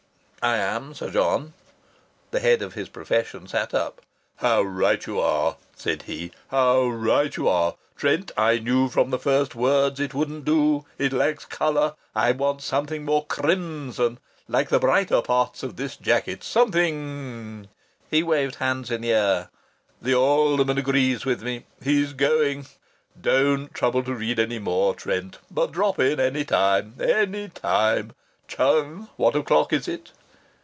"I am, Sir John." The head of his profession sat up. "How right you are!" said he. "How right you are! Trent, I knew from the first words it wouldn't do. It lacks colour. I want something more crimson, more like the brighter parts of this jacket, something " He waved hands in the air. "The Alderman agrees with me. He's going. Don't trouble to read any more, Trent. But drop in any time any time. Chung, what o'clock is it?"